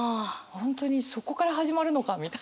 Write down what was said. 本当にそこから始まるのかみたいな。